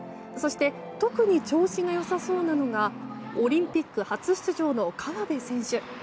そして特に調子が良さそうなのがオリンピック初出場の河辺選手。